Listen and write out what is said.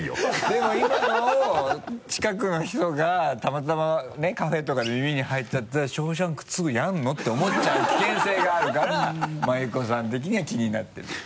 でも今のを近くの人がたまたまねカフェとかで耳に入っちゃったら「ショーシャンク２」やるの？て思っちゃう危険性があるから真祐子さん的には気になってる。